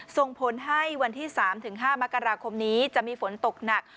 ส่งผลให้วันที่๓๕มกราคมนี้จะมีฝนตกหนัก